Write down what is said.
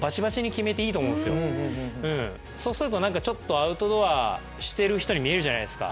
うんそうすると何かちょっとアウトドアしてる人に見えるじゃないですか。